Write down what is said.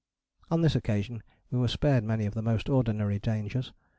On this occasion we were spared many of the most ordinary dangers.